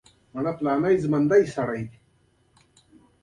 انټي بیوټیک باید انتخابي تاثیر ولري.